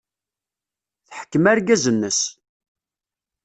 Teḥkem argaz-nnes.